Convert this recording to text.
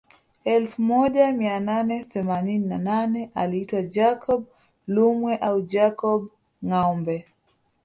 Elfu moja mia nane themanini na nane aliitwa Jacob Lumwe au Jacob Ngâombe